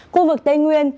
khu vực tây nguyên